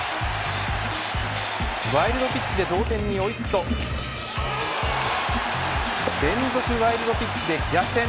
ワイルドピッチで同点に追い付くと連続ワイルドピッチで逆転。